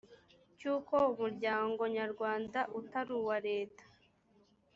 cy uko umuryango nyarwanda utari uwa leta